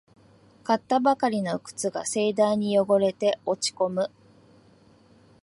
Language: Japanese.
買ったばかりの靴が盛大に汚れて落ちこむ